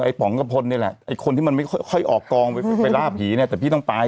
ป๋องกระพลนี่แหละไอ้คนที่มันไม่ค่อยออกกองไปล่าผีเนี่ยแต่พี่ต้องไป